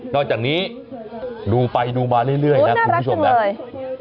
นอกจากนี้ดูไปดูมาเรื่อยนะคุณผู้ชมนะอู้วน่ารักจังเลย